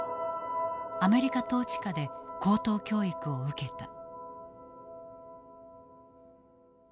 アメリカ統治下で高等教育を受けた。